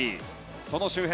その周辺